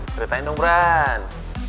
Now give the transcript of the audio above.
ceritain dong bran